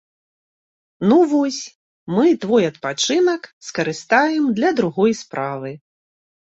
Ну вось, мы твой адпачынак скарыстаем для другой справы.